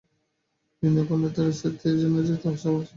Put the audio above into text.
খণ্ডের অস্তিত্ব কেবল এইজন্য যে, উহা সর্বদাই সমষ্টি হইবার চেষ্টা করিতেছে।